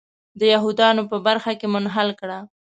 د یهودانو په برخه کې منحل کړه.